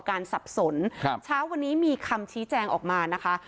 สับสนครับเช้าวันนี้มีคำชี้แจงออกมานะคะ